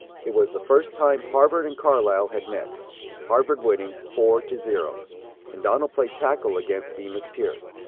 It was the first time Harvard and Carlisle had met Harvard winning 4 to 0 and Donald played tackle against Bemus Pierce.